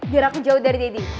biar aku jauh dari deddy